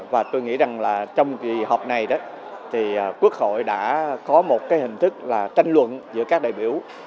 và tôi nghĩ rằng trong kỳ họp này quốc hội đã có một hình thức tranh luận giữa các đại biểu